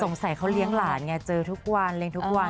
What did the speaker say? สงสัยเขาเลี้ยงหลานไงเจอทุกวันเลี้ยงทุกวัน